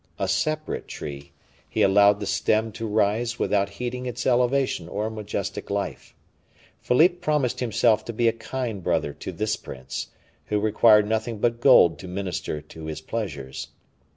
A separate tree, he allowed the stem to rise without heeding its elevation or majestic life. Philippe promised himself to be a kind brother to this prince, who required nothing but gold to minister to his pleasures.